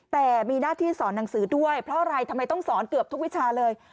แต่มีหน้าที่สอนหนังสือด้วยเพราะอะไรทำไมต้องสอนเกือบทุกวิชาเลย